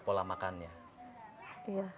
pola makannya iya